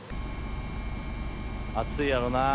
暑いやろなぁ。